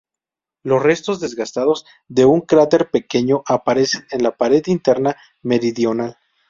Los restos desgastados de un cráter pequeño aparecen en la pared interna meridional.